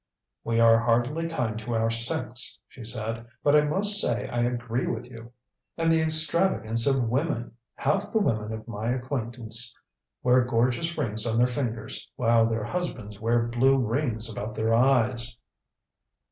"We are hardly kind to our sex," she said, "but I must say I agree with you. And the extravagance of women! Half the women of my acquaintance wear gorgeous rings on their fingers while their husbands wear blue rings about their eyes."